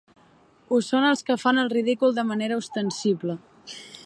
Ho són els que fan el ridícul de manera ostensible.